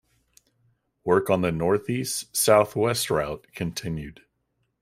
Work on the northeast-southwest route continued.